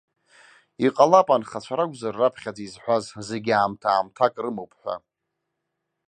Иҟалап анхацәа ракәзар раԥхьаӡа изҳәаз зегьы аамҭак-аамҭак рымоуп ҳәа.